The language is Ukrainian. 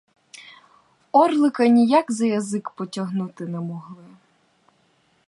Орлика ніяк за язик потягнути не могли.